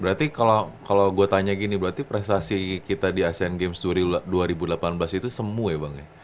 berarti kalau gue tanya gini berarti prestasi kita di asean games dua ribu delapan belas itu semua ya bang ya